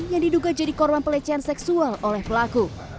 yang diduga jadi korban pelecehan seksual oleh pelaku